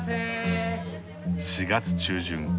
４月中旬。